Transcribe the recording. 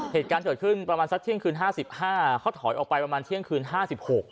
เหตุการณ์เกิดขึ้นประมาณสักเที่ยงคืนห้าสิบห้าเขาถอยออกไปประมาณเที่ยงคืนห้าสิบหก